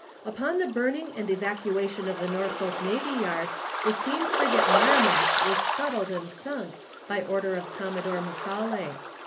"Upon the burning and evacuation of the Norfolk Navy Yard the steam frigate Merrimac was scuttled and sunk, by order of Commodore Macaulay.